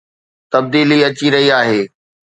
تبديلي اچي رهي آهي